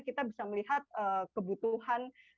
kita bisa melihat kebutuhan